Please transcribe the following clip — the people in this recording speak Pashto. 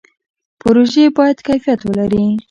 پروژې باید کیفیت ولري